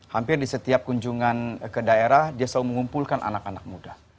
hampir di setiap kunjungan ke daerah dia selalu mengumpulkan anak anak muda